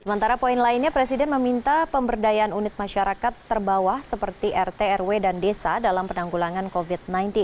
sementara poin lainnya presiden meminta pemberdayaan unit masyarakat terbawah seperti rt rw dan desa dalam penanggulangan covid sembilan belas